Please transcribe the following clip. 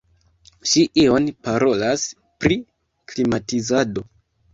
Ŝi ion parolas pri klimatizado.